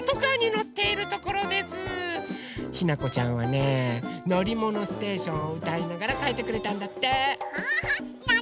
ひなこちゃんはね「のりものステーション」をうたいながらかいてくれたんだって！